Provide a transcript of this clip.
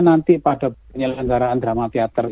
nanti pada penyelenggaraan drama teater